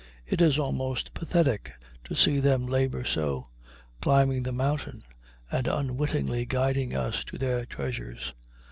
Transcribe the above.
It is almost pathetic to see them labor so, climbing the mountain and unwittingly guiding us to their treasures.